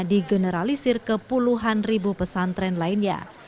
digeneralisir ke puluhan ribu pesantren lainnya